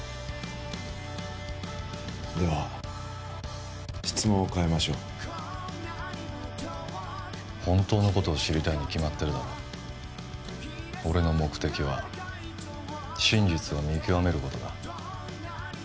では質問を変えましょう本当のことを知りたいに決まってるだろ俺の目的は真実を見極めることだ